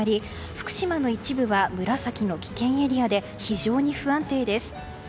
福島の一部は紫の危険エリアで非常に不安定です。